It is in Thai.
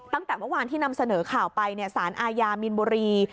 ตั้งแต่เมื่อวานที่นำเสนอข่าวไปสารอาญามีนบุรี